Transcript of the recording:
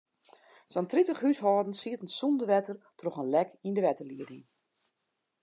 Sa'n tritich húshâldens sieten sonder wetter troch in lek yn de wetterlieding.